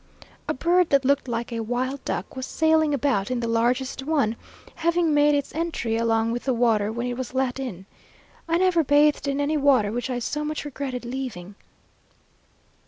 A bird, that looked like a wild duck, was sailing about in the largest one, having made its entry along with the water when it was let in. I never bathed in any water which I so much regretted leaving.